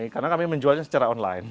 karena kami menjualnya secara online